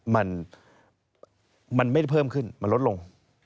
มันมันไม่ได้เพิ่มขึ้นมันลดลง